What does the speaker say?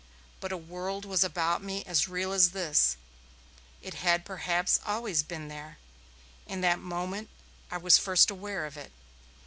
But a world was about me as real as this; it had perhaps always been there; in that moment I was first aware of it.